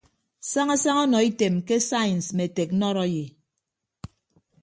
Saña saña ọnọ item ke sains mme teknọrọyi.